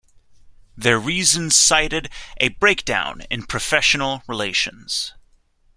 Their reasons cited "a breakdown in professional relations".